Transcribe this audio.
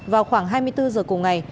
vào khoảng hai mươi bốn h cùng ngày